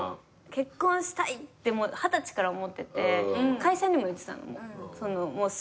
結婚したいって二十歳から思ってて会社にも言ってたのすぐ結婚するって。